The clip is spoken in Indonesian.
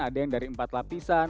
ada yang dari empat lapisan